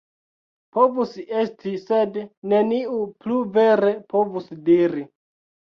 Povus esti, sed neniu plu vere povus diri.